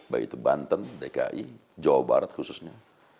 baik itu banten dki jawa barat khususnya